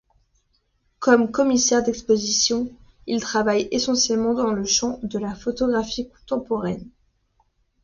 Comme commissaire d'exposition, il travaille essentiellement dans le champ de la photographie contemporaine.